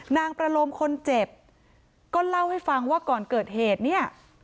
นางประโลมคนเจ็บก็เล่าให้ฟังว่าก่อนเกิดเหตุเนี่ย